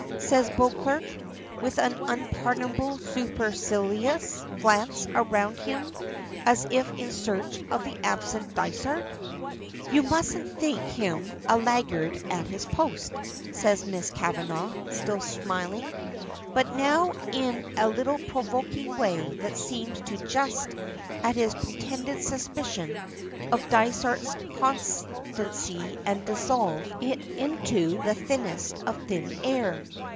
says Beauclerk, with an unpardonable supercilious glance around him as if in search of the absent Dysart. "You mustn't think him a laggard at his post," says Miss Kavanagh, still smiling, but now in a little provoking way that seems to jest at his pretended suspicion of Dysart's constancy and dissolve it into the thinnest of thin air.